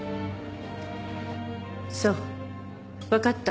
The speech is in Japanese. そうわかった。